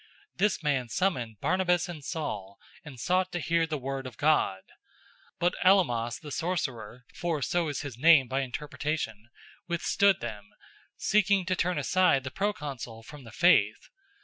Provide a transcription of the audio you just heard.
This man summoned Barnabas and Saul, and sought to hear the word of God. 013:008 But Elymas the sorcerer (for so is his name by interpretation) withstood them, seeking to turn aside the proconsul from the faith.